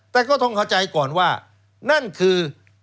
แต่ก็ต้องเข้าใจก่อนว่านั่นคือ